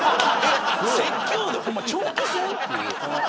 説教でホンマ長期戦！？っていう。